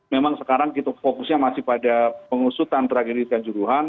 memang sekarang kita fokusnya masih pada pengusutan tragedi sanjuruhan